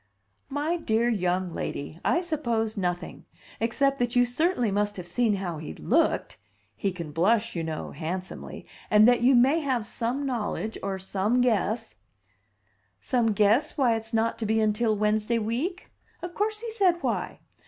"My dear young lady, I suppose nothing, except that you certainly must have seen how he looked (he can blush, you know, handsomely), and that you may have some knowledge or some guess " "Some guess why it's not to be until Wednesday week? Of course he said why.